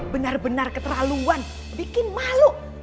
benar benar keterlaluan bikin malu